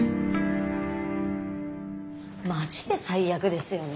マジで最悪ですよね。